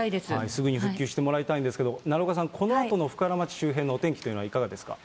すぐに復旧してもらいたいんですけれども、奈良岡さん、このあとの深浦町周辺のお天気というのはいかがですか。